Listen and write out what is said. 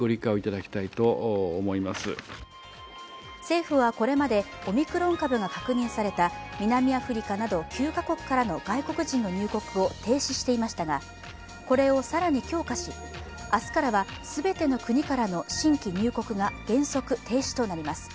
政府はこれまでオミクロン株が確認された南アフリカなど９カ国からの外国人の入国を停止していましたがこれを更に強化し明日からは全ての国からの新規入国が原則停止となります。